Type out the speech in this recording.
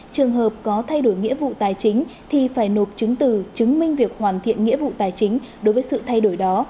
trường hợp có thay đổi nghĩa vụ tài chính thì phải nộp chứng từ chứng minh việc hoàn thiện nghĩa vụ tài chính đối với sự thay đổi đó